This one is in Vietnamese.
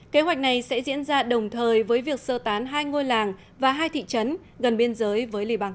kế hoạch này sẽ diễn ra đồng thời với việc sơ tán hai ngôi làng và hai thị trấn gần biên giới với liban